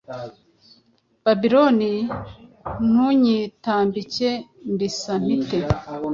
Babironi ntunyitambike mbisa mpite